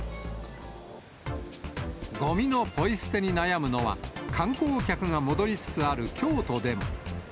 ごみのポイ捨てに悩むのは、観光客が戻りつつある京都でも。